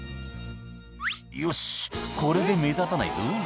「よしこれで目立たないぞ」